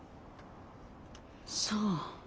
そう。